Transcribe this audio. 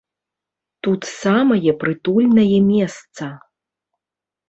Тут самае прытульнае месца.